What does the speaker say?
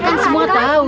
kita kan semua tahu